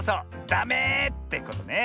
「ダメ！」ってことね。